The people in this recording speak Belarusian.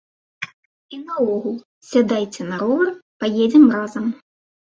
І наогул, сядайце на ровар, паедзем разам!